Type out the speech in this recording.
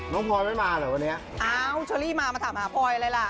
น้องพลอยไม่มาหรอวันนี้อ้าวโชลี่มามาถามหาพลอยอะไรล่ะ